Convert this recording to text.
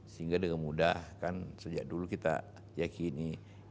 sehingga dengan mudah kan sejak dulu kita yakini